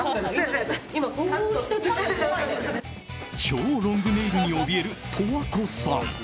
超ロングネイルにおびえる十和子さん。